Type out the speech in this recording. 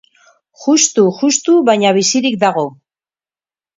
Juxtu-juxtu, baina bizirik dago.